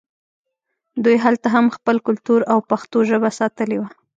دوی هلته هم خپل کلتور او پښتو ژبه ساتلې وه